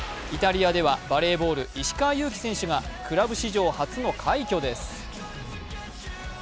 イタリアではバレーボール・石川祐希選手がクラブ史上初の快挙です。